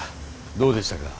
どうでしたか？